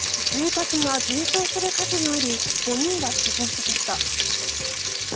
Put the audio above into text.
住宅が全焼する火事があり５人が死亡しました。